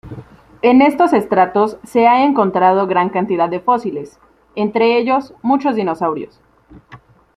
En estos estratos se ha encontrado gran cantidad de fósiles, entre ellos muchos dinosaurios.